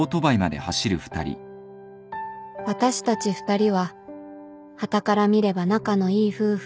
私たち２人ははたから見れば仲のいい夫婦